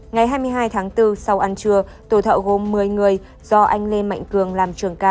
ngày hai mươi hai tháng bốn sau ăn trưa tổ thợ gồm một mươi người do anh lê mạnh cường làm trưởng ca